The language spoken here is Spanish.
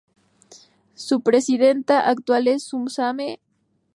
Su presidenta actual es Suzanne Ehlers.